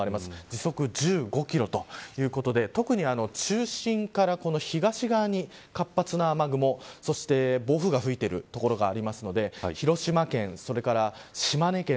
時速１５キロということで特に中心から東側に活発な雨雲そして暴風が吹いている所があるので広島県それから島根県、